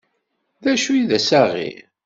D acu i d assaɣir?